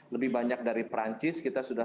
lebih banyak dari perancis kita sudah